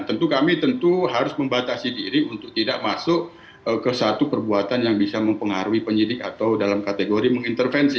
tentu kami tentu harus membatasi diri untuk tidak masuk ke satu perbuatan yang bisa mempengaruhi penyidik atau dalam kategori mengintervensi